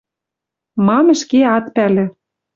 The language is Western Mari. Мам ӹшке ат пӓлӹ